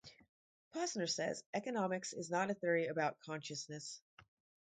Posner says, Economics is not a theory about consciousness.